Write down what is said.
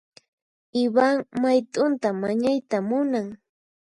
Ivan mayt'unta mañayta munan.